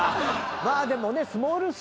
まあでもね。